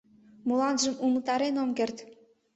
Моланжым умылтарен ом керт.